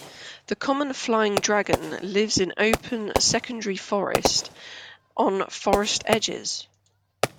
The common flying dragon lives in open secondary forest and on forest edges.